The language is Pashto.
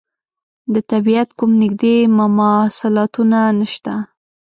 د طبعیت کوم نږدې مماثلاتونه نشته.